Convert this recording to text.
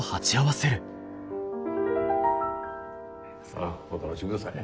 さあお楽しみください。